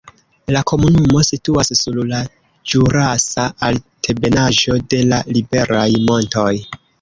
La komunumo situas sur la ĵurasa altebenaĵo de la Liberaj Montoj.